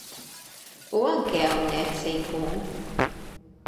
U anke hawn hekk se jkun.